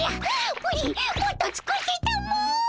プリンもっと作ってたも！